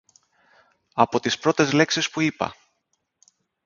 Από τις πρώτες λέξεις που είπα